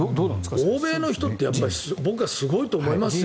欧米の人って僕はすごいと思いますよ。